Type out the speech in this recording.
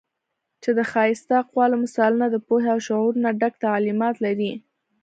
چې د ښائسته اقوالو، مثالونو د پوهې او شعور نه ډک تعليمات لري